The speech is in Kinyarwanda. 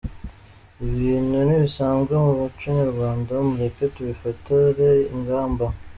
ibibintu ntibisanzwe mu muco nyarwanda mureke tubifatire ingamba.